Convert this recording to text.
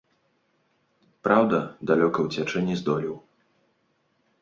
Праўда, далёка уцячы не здолеў.